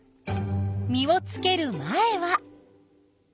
実をつける前は。